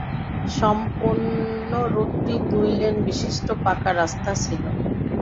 সম্পূর্ণ রুটটি দুই লেন বিশিষ্ট, পাকা রাস্তা ছিল।